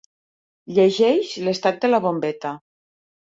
Llegeix l'estat de la bombeta.